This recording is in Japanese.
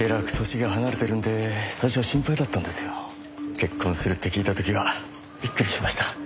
結婚するって聞いた時はびっくりしました。